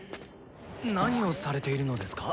何をされているのですか？